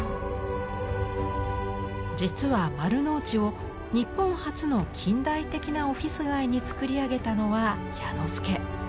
実は丸の内を日本初の近代的なオフィス街に造り上げたのは彌之助。